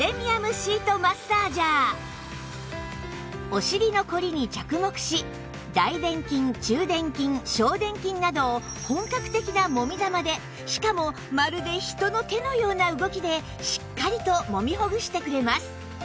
お尻のコリに着目し大殿筋中殿筋小殿筋などを本格的なもみ玉でしかもまるで人の手のような動きでしっかりともみほぐしてくれます